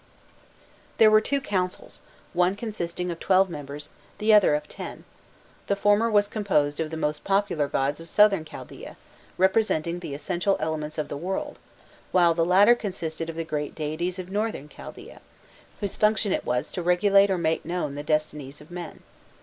There were two councils, one consisting of twelve members, the other of ten; the former was composed of the most popular gods of Southern Chaldaea, representing the essential elements of the world, while the latter consisted of the great deities of Northern Chaldaea, whose function it was to regulate or make known the destinies of men.